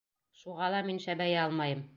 Шуға ла мин шәбәйә алмайым.